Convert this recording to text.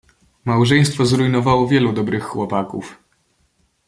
Małżeństwo zrujnowało wielu dobrych chłopaków.